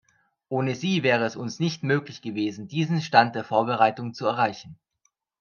Ohne sie wäre es uns nicht möglich gewesen, diesen Stand der Vorbereitung zu erreichen.